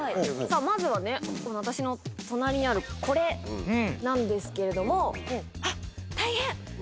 まずはね私の隣にあるこれなんですけれども。